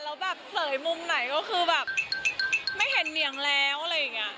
แล้วแบบเผยมุมไหนก็คือแบบไม่เห็นเหนียงแล้วอะไรอย่างนี้